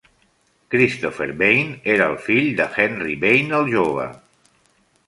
Christopher Vane era el fill de Henry Vane el Jove.